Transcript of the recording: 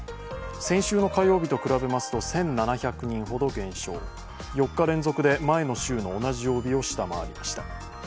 先週の火曜日と比べますと１７００人ほど減少、４日連続で、前の週の同じ曜日を下回りました。